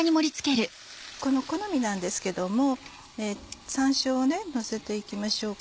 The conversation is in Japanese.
好みなんですけども山椒をのせていきましょうか。